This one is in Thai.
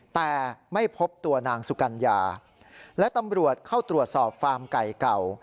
แต่ไม่พบตัวนางสุกัญญาและตำรวจเข้าตรวจสอบฟาร์มไก่เก่า